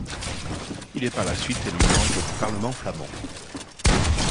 Il est par la suite élu membre du parlement flamand.